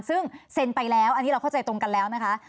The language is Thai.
ซึ่งเซ็นไปแล้วอันนี้เราเข้าใจตรงกันแล้วนะคะ